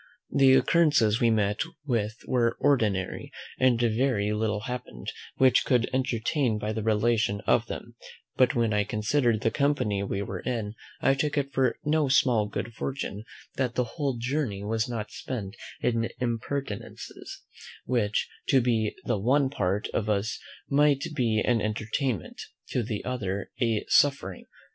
The occurrences we met with were ordinary, and very little happened which could entertain by the relation of them: but when I consider'd the company we were in, I took it for no small good fortune that the whole journey was not spent in impertinences, which to the one part of us might be an entertainment, to the other a suffering.